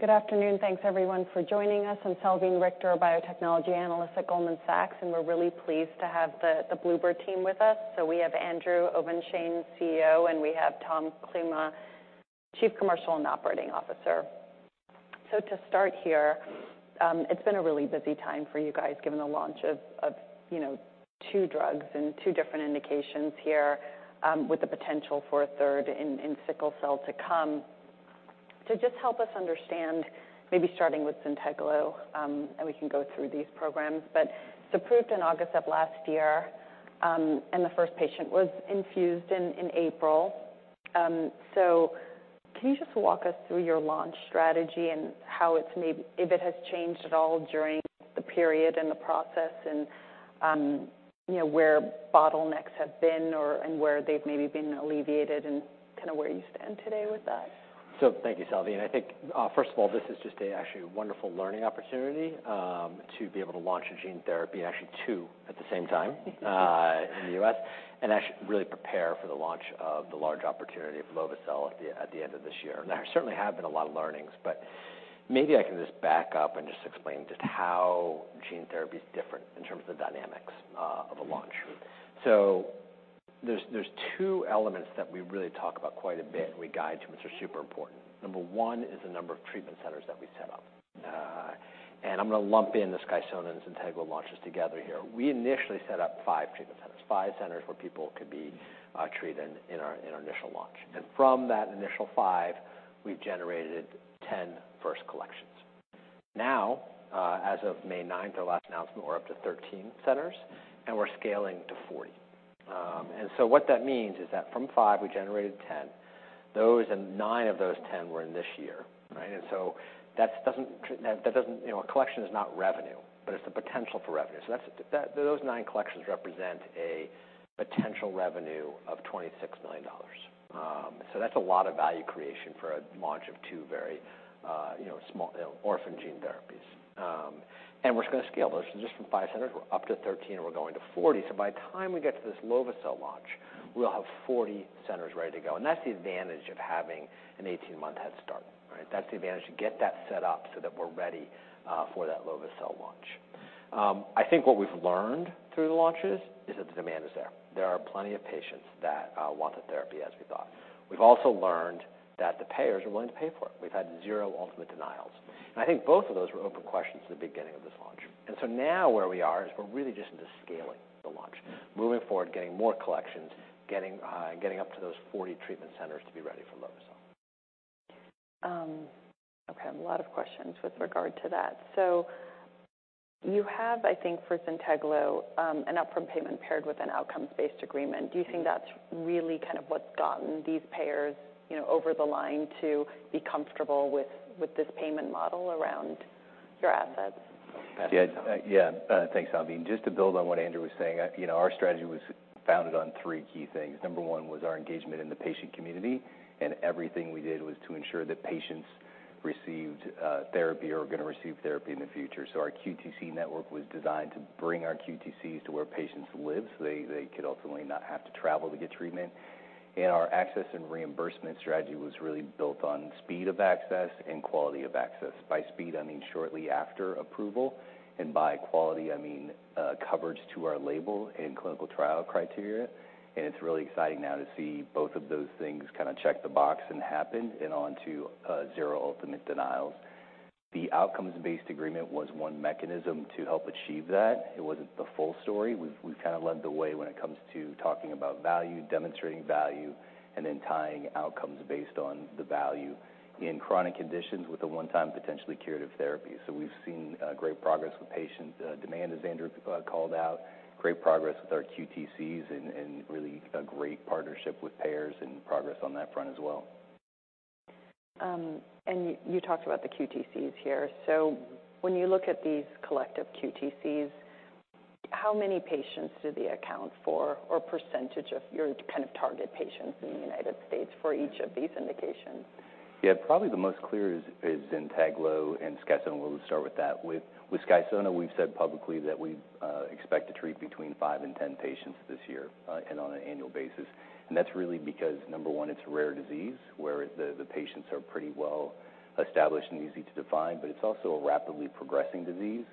Good afternoon. Thanks everyone for joining us. I'm Salveen Richter, a biotechnology analyst at Goldman Sachs. We're really pleased to have the Bluebird team with us. We have Andrew Obenshain, CEO. We have Tom Klima, Chief Commercial and Operating Officer. To start here, it's been a really busy time for you guys, given the launch of, you know, two drugs and two different indications here, with the potential for a 3rd in sickle cell to come. Just help us understand, maybe starting with ZYNTEGLO. We can go through these programs. Approved in August of last year. The first patient was infused in April. Can you just walk us through your launch strategy and how it's maybe, if it has changed at all, during the period and the process and, you know, where bottlenecks have been or, and where they've maybe been alleviated and kind of where you stand today with that? Thank you, Salvene. I think, first of all, this is just a actually wonderful learning opportunity, to be able to launch a gene therapy, actually two at the same time, in the U.S., and actually really prepare for the launch of the large opportunity of lovo-cel at the end of this year. There certainly have been a lot of learnings, but maybe I can just back up and just explain just how gene therapy is different in terms of the dynamics, of a launch. There's two elements that we really talk about quite a bit and we guide to, which are super important. Number one is the number of treatment centers that we set up, and I'm going to lump in the SKYSONA and ZYNTEGLO launches together here. We initially set up five treatment centers, five centers where people could be treated in our initial launch. From that initial five, we've generated 10 first collections. Now, as of May 9th, our last announcement, we're up to 13 centers, and we're scaling to 40. What that means is that from five, we generated 10. Those, nine of those 10 were in this year, right? You know, a collection is not revenue, but it's the potential for revenue. That's those 9 collections represent a potential revenue of $26 million. That's a lot of value creation for a launch of two very, you know, small orphan gene therapies. We're going to scale those. Just from five centers, we're up to 13, and we're going to 40. By the time we get to this lovo-cel launch, we'll have 40 centers ready to go, and that's the advantage of having an 18-month head start, right? That's the advantage, to get that set up so that we're ready for that lovo-cel launch. I think what we've learned through the launches is that the demand is there. There are plenty of patients that want the therapy as we thought. We've also learned that the payers are willing to pay for it. We've had zero ultimate denials, and I think both of those were open questions at the beginning of this launch. Now where we are, is we're really just into scaling the launch, moving forward, getting more collections, getting up to those 40 treatment centers to be ready for lovo-cel. Okay, I have a lot of questions with regard to that. You have, I think, for ZYNTEGLO, an upfront payment paired with an outcomes-based agreement. Do you think that's really kind of what's gotten these payers, you know, over the line to be comfortable with this payment model around your assets? Yeah. Thanks, Salveen. Just to build on what Andrew was saying, you know, our strategy was founded on three key things. Number one was our engagement in the patient community, and everything we did was to ensure that patients received therapy or were going to receive therapy in the future. Our QTC network was designed to bring our QTCs to where patients live, so they could ultimately not have to travel to get treatment. Our access and reimbursement strategy was really built on speed of access and quality of access. By speed, I mean shortly after approval, and by quality, I mean coverage to our label and clinical trial criteria. It's really exciting now to see both of those things kind of check the box and happen and on to zero ultimate denials. The outcomes-based agreement was one mechanism to help achieve that. It wasn't the full story. We've kind of led the way when it comes to talking about value, demonstrating value, and then tying outcomes based on the value in chronic conditions with a one-time, potentially curative therapy. We've seen great progress with patient demand, as Andrew called out, great progress with our QTCs and really a great partnership with payers and progress on that front as well. You talked about the QTCs here. When you look at these collective QTCs, how many patients do they account for, or % of your kind of target patients in the United States for each of these indications? Yeah, probably the most clear is ZYNTEGLO and SKYSONA. We'll start with that. With SKYSONA, we've said publicly that we expect to treat between five and 10 patients this year and on an annual basis. That's really because, number one, it's a rare disease, where the patients are pretty well established and easy to define, but it's also a rapidly progressing disease,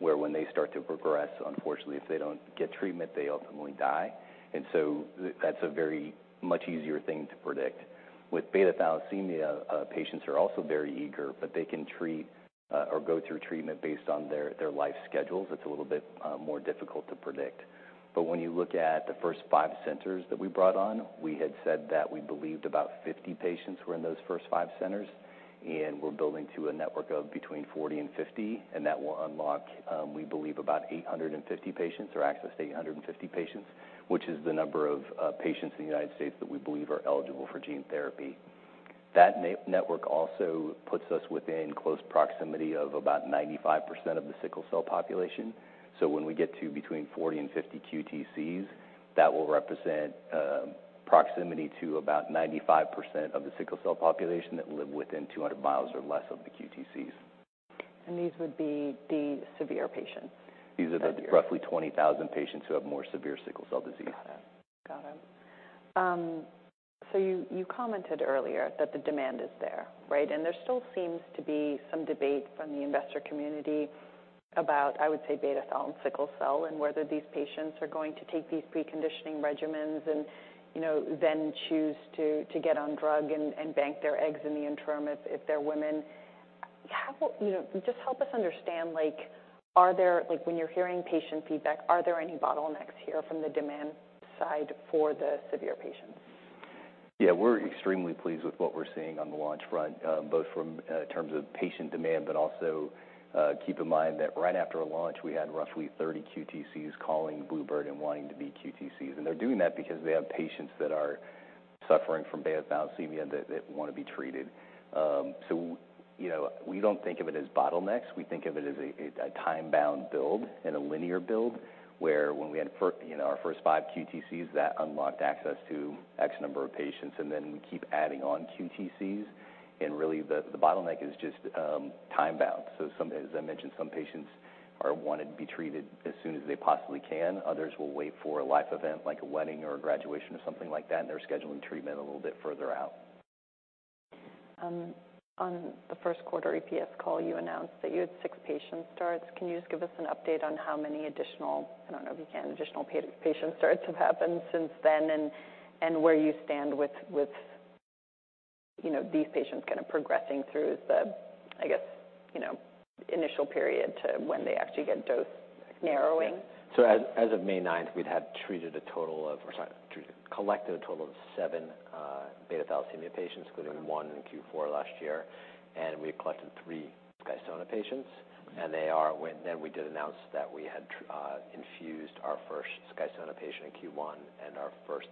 where when they start to progress, unfortunately, if they don't get treatment, they ultimately die. That's a very much easier thing to predict. With beta thalassemia, patients are also very eager, but they can treat or go through treatment based on their life schedules. It's a little bit more difficult to predict. When you look at the first five centers that we brought on, we had said that we believed about 50 patients were in those first five centers, and we're building to a network of between 40 and 50, and that will unlock, we believe, about 850 patients or access to 850 patients, which is the number of patients in the United States that we believe are eligible for gene therapy. That network also puts us within close proximity of about 95% of the sickle cell population. When we get to between 40 and 50 QTCs, that will represent proximity to about 95% of the sickle cell population that live within 200 miles or less of the QTCs. These would be the severe patients? These are the roughly 20,000 patients who have more severe sickle cell disease. Got it. Got it. You, you commented earlier that the demand is there, right? And there still seems to be some debate from the investor community about, I would say, beta-thalassemia and sickle cell, and whether these patients are going to take these preconditioning regimens and, you know, then choose to get on drug and bank their eggs in the interim if they're women. How, you know, just help us understand, like, are there, like, when you're hearing patient feedback, are there any bottlenecks here from the demand side for the severe patients? Yeah, we're extremely pleased with what we're seeing on the launch front, both from in terms of patient demand, but also, keep in mind that right after a launch, we had roughly 30 QTCs calling Bluebird and wanting to be QTCs. They're doing that because they have patients that are suffering from beta-thalassemia that want to be treated. You know, we don't think of it as bottlenecks. We think of it as a time-bound build and a linear build, where when we had you know, our first five QTCs, that unlocked access to X number of patients, and then we keep adding on QTCs, and really, the bottleneck is just time-bound. Some, as I mentioned, some patients are wanting to be treated as soon as they possibly can. Others will wait for a life event, like a wedding or a graduation or something like that, and they're scheduling treatment a little bit further out. On the first quarter EPS call, you announced that you had 6 patient starts. Can you just give us an update on how many additional, I don't know if you can, additional patient starts have happened since then? Where you stand with, you know, these patients kind of progressing through the, I guess, you know, initial period to when they actually get dose narrowing? As of May ninth, we'd had treated a total of, or sorry, treated, collected a total of 7 beta-thalassemia patients, including 1 in Q4 last year. We collected 3 SKYSONA patients. They are... We did announce that we had infused our first SKYSONA patient in Q1 and our first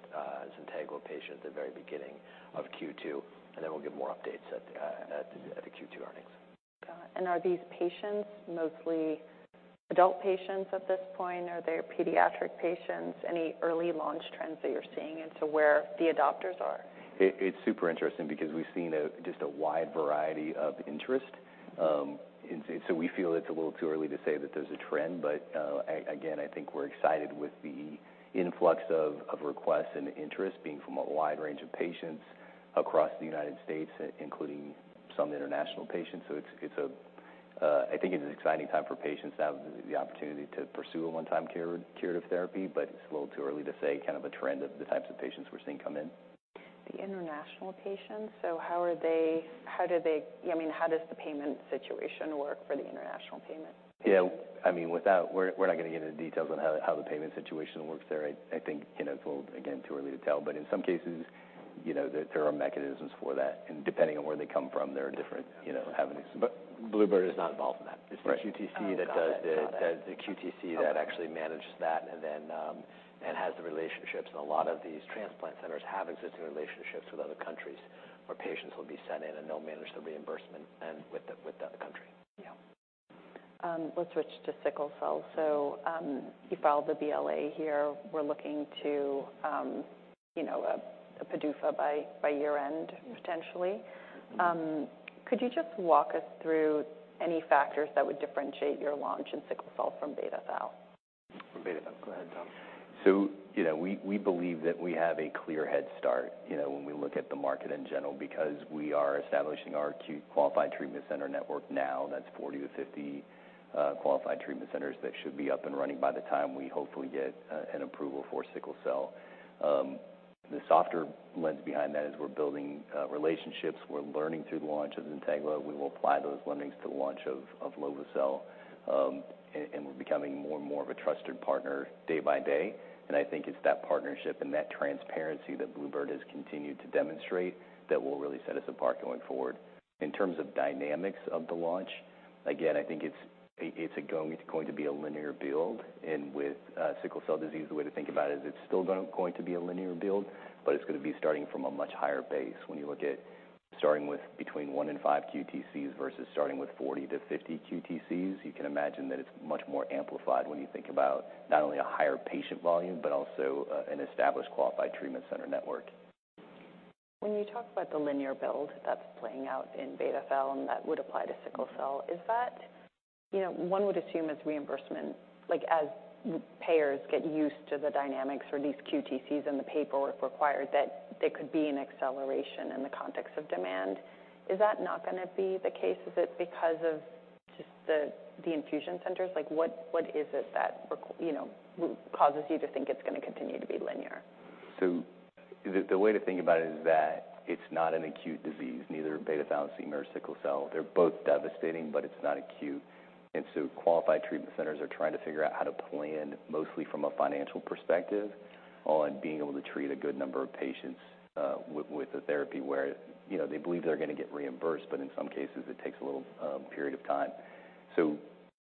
ZYNTEGLO patient at the very beginning of Q2. We'll give more updates at the Q2 earnings. Got it. Are these patients mostly adult patients at this point, or are they pediatric patients? Any early launch trends that you're seeing as to where the adopters are? It's super interesting because we've seen a, just a wide variety of interest. We feel it's a little too early to say that there's a trend, but, again, I think we're excited with the influx of requests and interest being from a wide range of patients across the United States, including some international patients. It's, it's a, I think it's an exciting time for patients to have the opportunity to pursue a one-time cure, curative therapy, but it's a little too early to say, kind of a trend of the types of patients we're seeing come in. The international patients, I mean, how does the payment situation work for the international payment? Yeah, I mean, we're not going to get into details on how the payment situation works there. I think, you know, it's a little, again, too early to tell, but in some cases, you know, there are mechanisms for that, and depending on where they come from, there are different, you know, avenues. Bluebird is not involved in that. Right. It's the QTC that does it. Got it. Got it. The QTC. Okay that actually manages that, and then, and has the relationships. A lot of these transplant centers have existing relationships with other countries, where patients will be sent in, and they'll manage the reimbursement, and with the, with the other country. Yeah. Let's switch to sickle cell. You filed the BLA here. We're looking to, you know, a PDUFA by year-end, potentially. Could you just walk us through any factors that would differentiate your launch in sickle cell from beta-thal? From beta-thal. Go ahead, Tom. You know, we believe that we have a clear head start, you know, when we look at the market in general, because we are establishing our acute qualified treatment center network now. That's 40-50 qualified treatment centers that should be up and running by the time we hopefully get an approval for sickle cell. The softer lens behind that is we're building relationships. We're learning through the launch of ZYNTEGLO. We will apply those learnings to the launch of lovo-cel. We're becoming more and more of a trusted partner day by day, and I think it's that partnership and that transparency that Bluebird has continued to demonstrate that will really set us apart going forward. In terms of dynamics of the launch, again, I think it's going to be a linear build. With sickle cell disease, the way to think about it is it's still going to be a linear build, but it's going to be starting from a much higher base. When you look at starting with between one and five QTCs versus starting with 40 to 50 QTCs, you can imagine that it's much more amplified when you think about not only a higher patient volume, but also an established qualified treatment center network. When you talk about the linear build that's playing out in beta-thal and that would apply to sickle cell, is that? You know, one would assume it's reimbursement. Like, as payers get used to the dynamics for these QTCs and the paperwork required, that there could be an acceleration in the context of demand. Is that not gonna be the case? Is it because of just the infusion centers? Like, what is it that you know, causes you to think it's gonna continue to be linear? The way to think about it is that it's not an acute disease, neither beta-thalassemia or sickle cell. They're both devastating, but it's not acute. Qualified treatment centers are trying to figure out how to plan, mostly from a financial perspective, on being able to treat a good number of patients with a therapy where, you know, they believe they're going to get reimbursed, but in some cases, it takes a little period of time.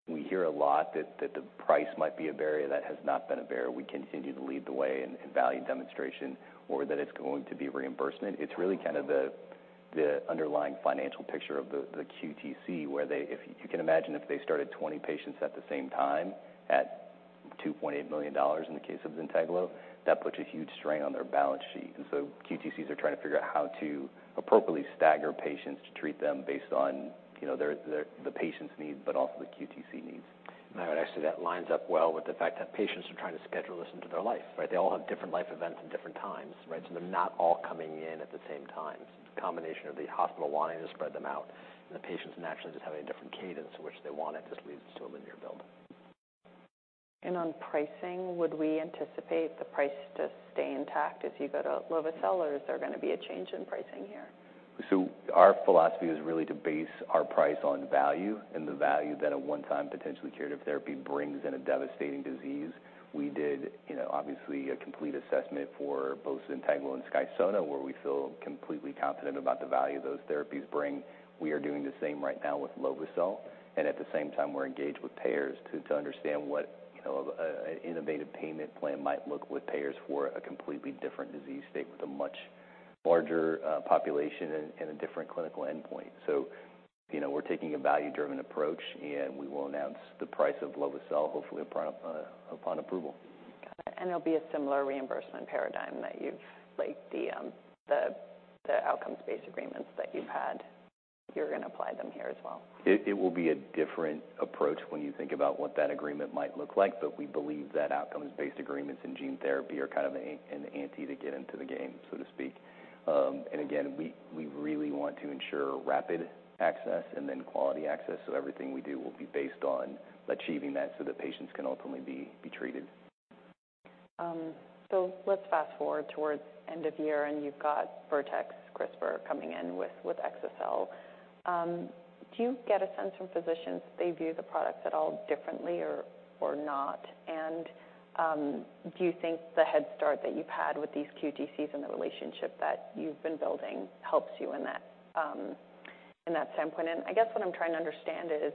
We hear a lot that the price might be a barrier. That has not been a barrier. We continue to lead the way in value demonstration or that it's going to be reimbursement. It's really kind of the underlying financial picture of the QTC, where if you can imagine, if they started 20 patients at the same time... $2.8 million in the case of ZYNTEGLO, that puts a huge strain on their balance sheet. QTCs are trying to figure out how to appropriately stagger patients to treat them based on, you know, their, the patient's needs, but also the QTC needs. Actually, that lines up well with the fact that patients are trying to schedule this into their life, right? They all have different life events at different times, right? They're not all coming in at the same time. The combination of the hospital wanting to spread them out, and the patients naturally just having a different cadence in which they want it, just leads to a linear build. On pricing, would we anticipate the price to stay intact as you go to lovo-cel, or is there going to be a change in pricing here? Our philosophy is really to base our price on value and the value that a one-time potentially curative therapy brings in a devastating disease. We did, you know, obviously, a complete assessment for both ZYNTEGLO and SKYSONA, where we feel completely confident about the value those therapies bring. We are doing the same right now with lovo-cel, and at the same time, we're engaged with payers to understand what, you know, an innovative payment plan might look with payers for a completely different disease state with a much larger population and a different clinical endpoint. You know, we're taking a value-driven approach, and we will announce the price of lovo-cel, hopefully, upon approval. Got it. It'll be a similar reimbursement paradigm that you've, like, the outcomes-based agreements that you've had, you're going to apply them here as well? It will be a different approach when you think about what that agreement might look like. We believe that outcomes-based agreements in gene therapy are kind of an ante to get into the game, so to speak. Again, we really want to ensure rapid access and then quality access. Everything we do will be based on achieving that so that patients can ultimately be treated. Let's fast-forward towards end of year, and you've got Vertex, CRISPR, coming in with exa-cel. Do you get a sense from physicians that they view the products at all differently or not? Do you think the head start that you've had with these QTCs and the relationship that you've been building helps you in that in that standpoint? I guess what I'm trying to understand is,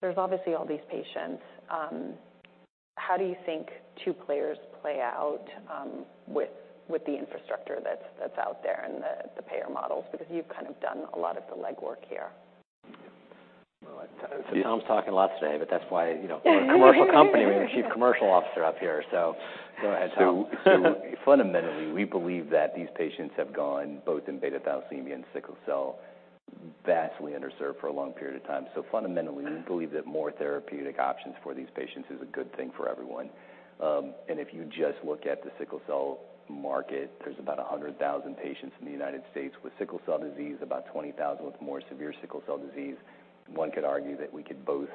there's obviously all these patients, how do you think two players play out with the infrastructure that's out there and the payer models? You've kind of done a lot of the legwork here. Tom's talking a lot today. That's why, you know, we're a commercial company. We have a Chief Commercial Officer up here. Go ahead, Tom. Fundamentally, we believe that these patients have gone, both in beta-thalassemia and sickle cell, vastly underserved for a long period of time. Fundamentally, we believe that more therapeutic options for these patients is a good thing for everyone. If you just look at the sickle cell market, there's about 100,000 patients in the United States with sickle cell disease, about 20,000 with more severe sickle cell disease. One could argue that we could both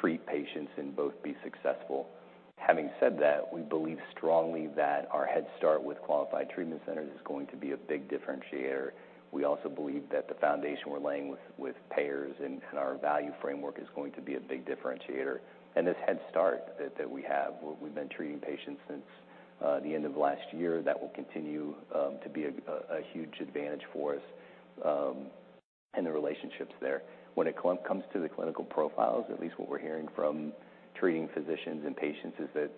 treat patients and both be successful. Having said that, we believe strongly that our head start with qualified treatment centers is going to be a big differentiator. We also believe that the foundation we're laying with payers and our value framework is going to be a big differentiator. This head start that we have, where we've been treating patients since the end of last year, that will continue to be a huge advantage for us, and the relationships there. When it comes to the clinical profiles, at least what we're hearing from treating physicians and patients, is that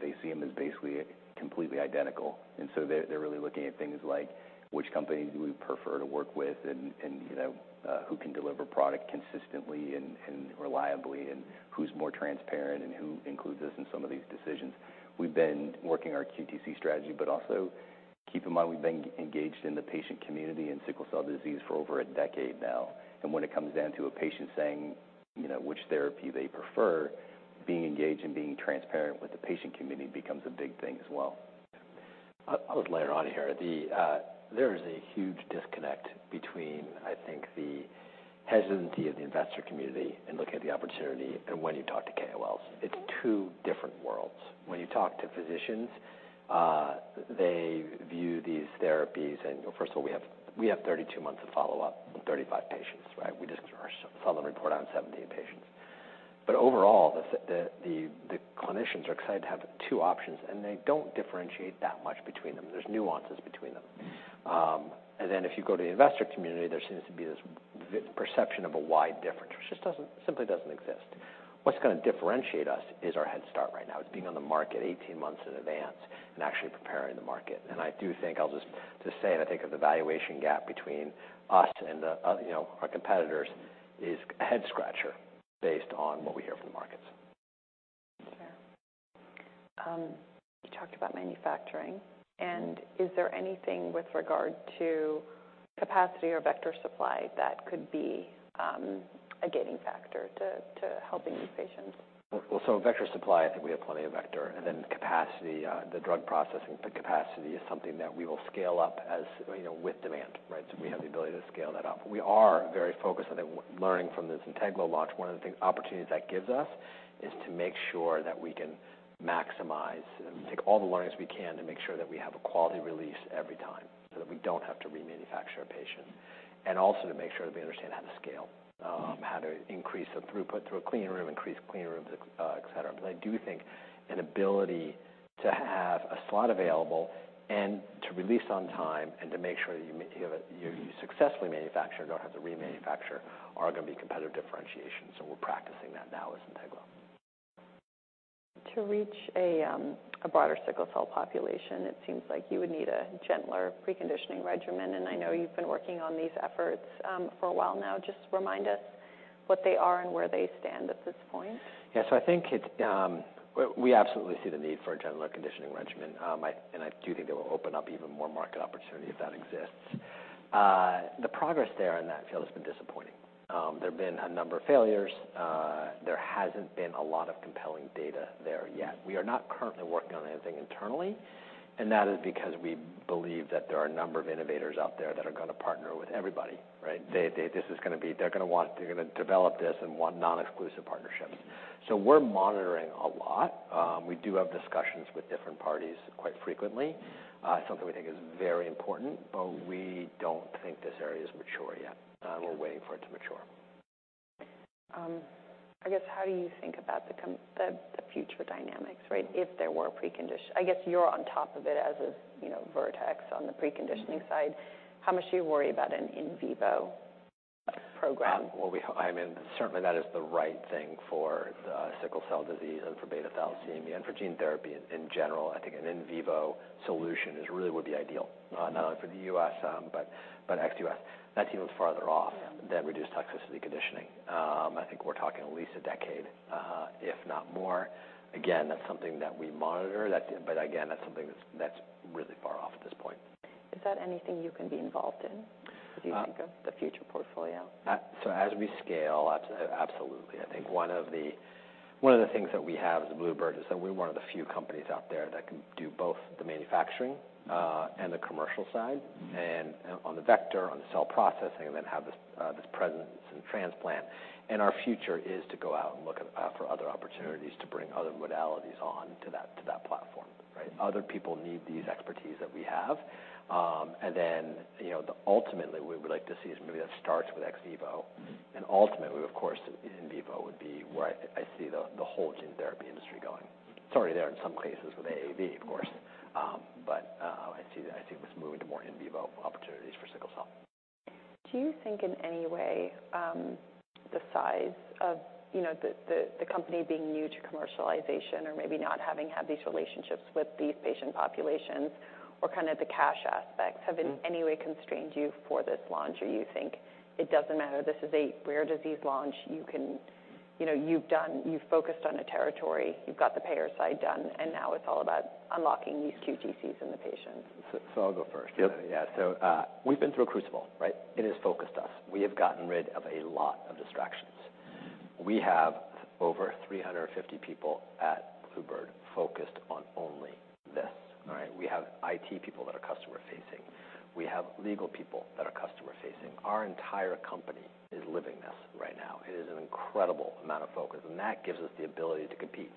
they see them as basically completely identical. They're really looking at things like, Which companies do we prefer to work with? You know, who can deliver product consistently and reliably, and who's more transparent, and who includes us in some of these decisions? We've been working our QTC strategy, but also keep in mind, we've been engaged in the patient community in sickle cell disease for over a decade now. When it comes down to a patient saying, you know, which therapy they prefer, being engaged and being transparent with the patient community becomes a big thing as well. I'll layer on here. There is a huge disconnect between, I think, the hesitancy of the investor community in looking at the opportunity and when you talk to KOLs. It's two different worlds. When you talk to physicians, they view these therapies, and first of all, we have 32 months of follow-up on 35 patients, right? We just saw the report on 17 patients. Overall, the clinicians are excited to have two options, and they don't differentiate that much between them. There's nuances between them. If you go to the investor community, there seems to be this perception of a wide difference, which simply doesn't exist. What's going to differentiate us is our head start right now. It's being on the market 18 months in advance and actually preparing the market. I do think I'll just, To say, and I think of the valuation gap between us and the, you know, our competitors, is a head-scratcher based on what we hear from the markets. Sure. You talked about manufacturing. Is there anything with regard to capacity or vector supply that could be a gaining factor to helping these patients? Vector supply, I think we have plenty of vector, then capacity, the drug processing, the capacity is something that we will scale up as, you know, with demand, right? We have the ability to scale that up. We are very focused on the learning from this ZYNTEGLO launch. One of the things, opportunities that gives us is to make sure that we can maximize and take all the learnings we can to make sure that we have a quality release every time, so that we don't have to remanufacture a patient. Also to make sure that we understand how to scale, how to increase the throughput through a clean room, increase clean rooms, et cetera. I do think an ability to have a slot available and to release on time and to make sure that you successfully manufacture and don't have to remanufacture, are going to be competitive differentiation. We're practicing that now with ZYNTEGLO. To reach a broader sickle cell population, it seems like you would need a gentler preconditioning regimen, and I know you've been working on these efforts for a while now. Just remind us what they are and where they stand at this point? I think we absolutely see the need for a general conditioning regimen. I do think it will open up even more market opportunity if that exists. The progress there in that field has been disappointing. There have been a number of failures. There hasn't been a lot of compelling data there yet. We are not currently working on anything internally, and that is because we believe that there are a number of innovators out there that are gonna partner with everybody, right? They're gonna develop this and want non-exclusive partnerships. We're monitoring a lot. We do have discussions with different parties quite frequently. It's something we think is very important, but we don't think this area is mature yet. We're waiting for it to mature. I guess, how do you think about the future dynamics, right? If there were, I guess you're on top of it as a, you know, Vertex on the preconditioning side. How much do you worry about an in vivo program? Well, I mean, certainly, that is the right thing for the sickle cell disease and for beta-thalassemia, and for gene therapy in general. I think an in vivo solution is really would be ideal, not only for the U.S., but ex-U.S. That team is farther off. Yeah Than reduced toxicity conditioning. I think we're talking at least a decade, if not more. Again, that's something that we monitor. Again, that's something that's really far off at this point. Is that anything you can be involved in, as you think of the future portfolio? As we scale, absolutely. I think one of the, one of the things that we have as Bluebird, is that we're one of the few companies out there that can do both the manufacturing and the commercial side. On the vector, on the cell processing, and then have this presence in transplant. Our future is to go out and look at for other opportunities to bring other modalities on to that, to that platform, right? Other people need these expertise that we have. You know, ultimately, we would like to see is maybe that starts with ex vivo. Ultimately, of course, in vivo would be where I see the whole gene therapy industry going. It's already there in some cases with AAV, of course, but I see this moving to more in vivo opportunities for sickle cell. Do you think in any way, you know, the, the company being new to commercialization or maybe not having had these relationships with these patient populations or kind of the cash aspects? have in any way constrained you for this launch? You think it doesn't matter, this is a rare disease launch, you can. You know, you've focused on a territory, you've got the payer side done, and now it's all about unlocking these QTCs in the patients. I'll go first. Yep. We've been through a crucible, right? It has focused us. We have gotten rid of a lot of distractions. We have over 350 people at Bluebird focused on only this, all right? We have IT people that are customer-facing. We have legal people that are customer-facing. Our entire company is living this right now. It is an incredible amount of focus, that gives us the ability to compete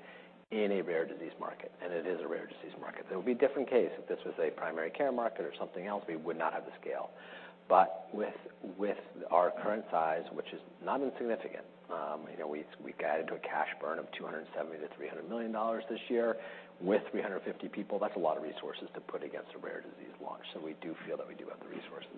in a rare disease market, it is a rare disease market. It would be a different case if this was a primary care market or something else, we would not have the scale. With, with our current size, which is not insignificant, you know, we guided to a cash burn of $270 million-$300 million this year. With 350 people, that's a lot of resources to put against a rare disease launch. We do feel that we do have the resources.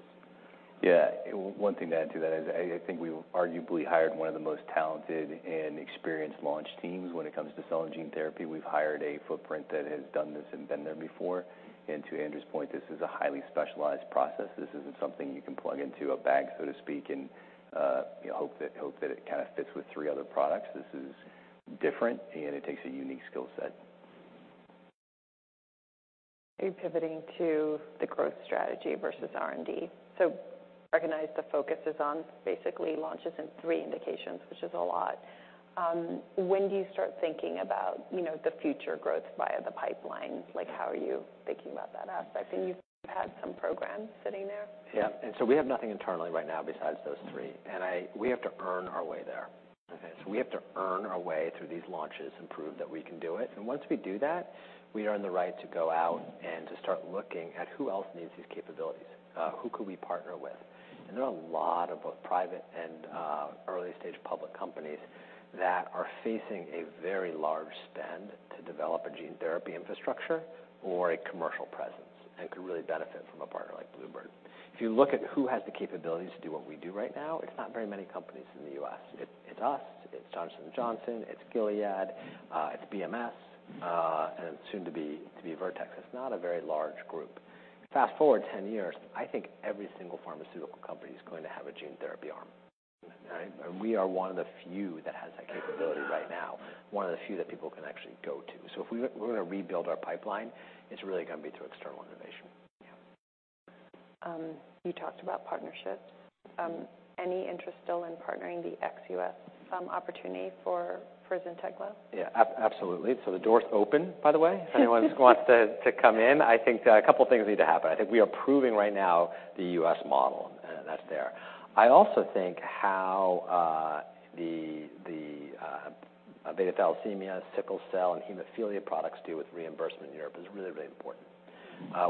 Yeah. One thing to add to that is I think we arguably hired one of the most talented and experienced launch teams when it comes to selling gene therapy. We've hired a footprint that has done this and been there before. To Andrew's point, this is a highly specialized process. This isn't something you can plug into a bag, so to speak, and, you know, hope that it kind of fits with three other products. This is different, and it takes a unique skill set. Pivoting to the growth strategy versus R&D. Recognize the focus is on basically launches in three indications, which is a lot. When do you start thinking about, you know, the future growth via the pipeline? Like, how are you thinking about that aspect? I think you've had some programs sitting there. Yeah. We have nothing internally right now besides those three, and we have to earn our way there. Okay? We have to earn our way through these launches and prove that we can do it. Once we do that, we earn the right to go out and to start looking at who else needs these capabilities, who could we partner with? There are a lot of both private and early-stage public companies that are facing a very large spend to develop a gene therapy infrastructure or a commercial presence, and could really benefit from a partner like Bluebird. If you look at who has the capabilities to do what we do right now, it's not very many companies in the U.S. It's us, it's Johnson & Johnson, it's Gilead, it's BMS, and soon to be Vertex. It's not a very large group. Fast-forward 10 years, I think every single pharmaceutical company is going to have a gene therapy arm. All right? We are one of the few that has that capability right now, one of the few that people can actually go to. If we're gonna rebuild our pipeline, it's really gonna be through external innovation. Yeah. You talked about partnerships. Any interest still in partnering the ex-U.S. opportunity for ZYNTEGLO? Absolutely. The door's open, by the way, if anyone wants to come in. I think a couple of things need to happen. I think we are proving right now the U.S. model, and that's there. I also think how the beta-thalassemia, sickle cell, and hemophilia products deal with reimbursement in Europe is really important.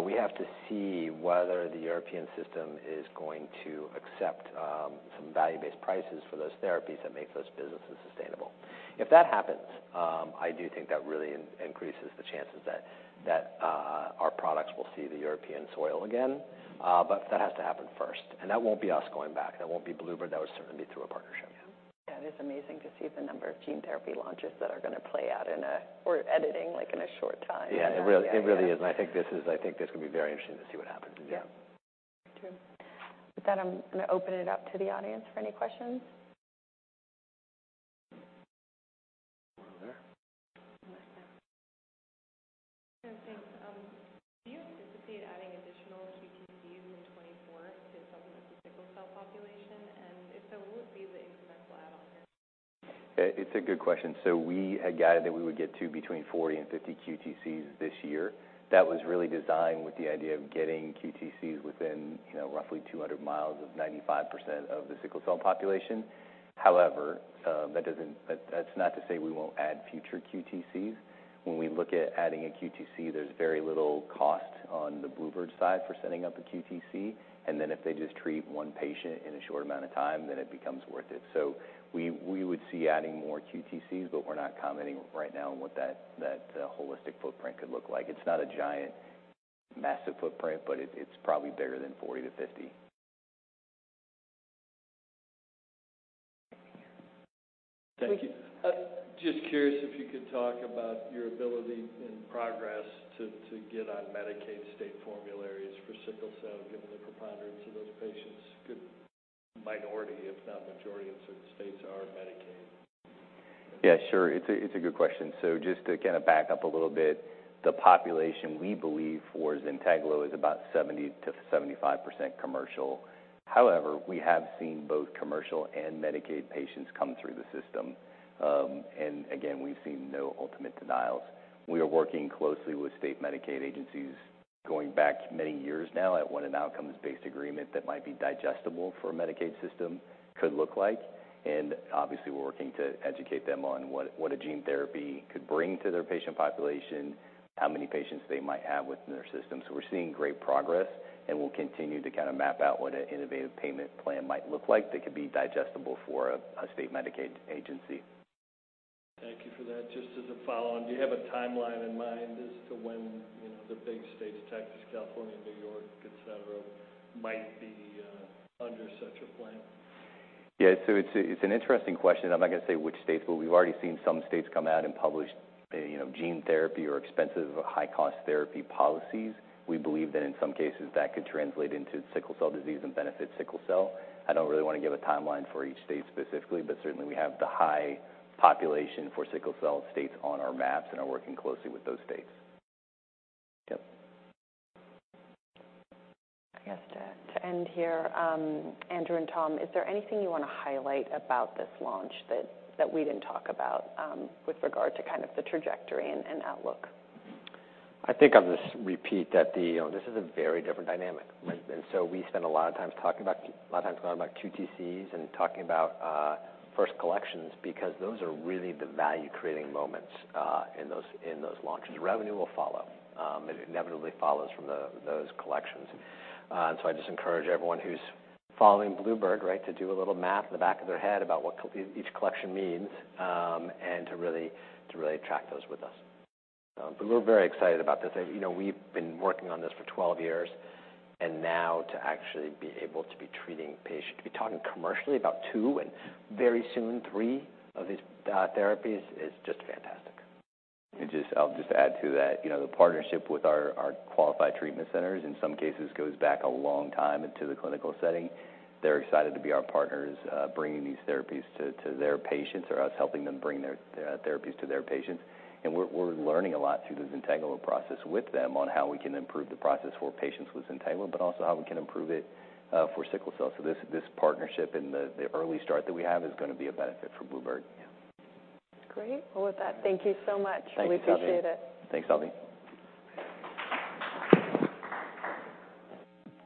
We have to see whether the European system is going to accept some value-based prices for those therapies that make those businesses sustainable. If that happens, I do think that really increases the chances that our products will see the European soil again. That has to happen first, and that won't be us going back. That won't be Bluebird, that would certainly be through a partnership. Yeah. That is amazing to see the number of gene therapy launches that are gonna play out or editing, like, in a short time. Yeah, it really, it really is. I think this could be very interesting to see what happens. Yeah. True. With that, I'm gonna open it up to the audience for any questions. One there. Thanks. Do you anticipate adding additional QTCs in 2024 to supplement the sickle cell population? If so, what would be the incremental add-on there? It's a good question. We had guided that we would get to between 40 and 50 QTCs this year. That was really designed with the idea of getting QTCs within, you know, roughly 200 miles of 95% of the sickle cell population. However, that's not to say we won't add future QTCs. When we look at adding a QTC, there's very little cost on the Bluebird side for setting up a QTC, and then if they just treat one patient in a short amount of time, then it becomes worth it. We would see adding more QTCs, but we're not commenting right now on what that holistic footprint could look like. It's not a giant, massive footprint, but it's probably bigger than 40 to 50. Thank you. Just curious if you could talk about your ability and progress to get on Medicaid state formularies for sickle cell, given the preponderance of those patients. Good minority, if not majority, in certain states are Medicaid. Yeah, sure. It's a good question. Just to kind of back up a little bit, the population, we believe, for ZYNTEGLO is about 70%-75% commercial. Again, we've seen no ultimate denials. We are working closely with state Medicaid agencies, going back many years now, at what an outcomes-based agreement that might be digestible for a Medicaid system could look like. Obviously, we're working to educate them on what a gene therapy could bring to their patient population, how many patients they might have within their system. We're seeing great progress, and we'll continue to kind of map out what an innovative payment plan might look like that could be digestible for a state Medicaid agency. Thank you for that. Just as a follow-on, do you have a timeline in mind as to when, you know, the big states, Texas, California, New York, et cetera, might be under such a plan? It's an interesting question. I'm not gonna say which states, we've already seen some states come out and publish, you know, gene therapy or expensive or high-cost therapy policies. We believe that in some cases, that could translate into sickle cell disease and benefit sickle cell. I don't really want to give a timeline for each state specifically, certainly we have the high population for sickle cell states on our maps and are working closely with those states. Yep. I guess to end here, Andrew and Tom, is there anything you want to highlight about this launch that we didn't talk about, with regard to kind of the trajectory and outlook? I think I'll just repeat that the, you know, this is a very different dynamic. We spend a lot of time talking about QTCs and talking about first collections, because those are really the value-creating moments in those launches. Revenue will follow. It inevitably follows from those collections. I just encourage everyone who's following Bluebird, right, to do a little math in the back of their head about what each collection means, and to really track those with us. We're very excited about this. You know, we've been working on this for 12 years, and now to actually be able to be treating patients, to be talking commercially about 2 and very soon three of these therapies is just fantastic. I'll just add to that. You know, the partnership with our qualified treatment centers in some cases, goes back a long time into the clinical setting. They're excited to be our partners, bringing these therapies to their patients, or us helping them bring their therapies to their patients. We're learning a lot through the ZYNTEGLO process with them on how we can improve the process for patients with ZYNTEGLO, but also how we can improve it for sickle cell. This partnership and the early start that we have is gonna be a benefit for Bluebird. Yeah. Great. Well, with that, thank you so much. Thanks, Salveen. We appreciate it. Thanks, Salveen.